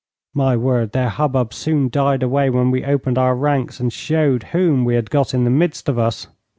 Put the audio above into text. My word, their hubbub soon died away when we opened our ranks, and showed whom we had got in the midst of us!